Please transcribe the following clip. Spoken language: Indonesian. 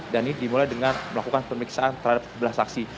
dan ini dimulai dengan melakukan pemiksaan terhadap sebelas saksi